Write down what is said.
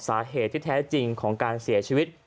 สาเหตุที่แท้จริงของการเสียชีวิต